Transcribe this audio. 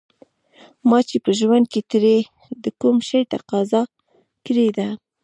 ما چې په ژوند کې ترې د کوم شي تقاضا کړې ده.